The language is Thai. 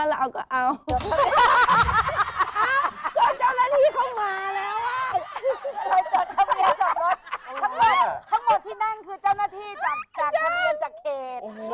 ทั้งหมดที่นั่งคือเจ้าหน้าที่จากทะเบียนจากเขต